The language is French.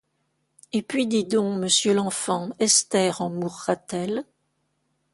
Et puis, dis donc, monsieur l’enfant, Esther en mourra-t-elle ?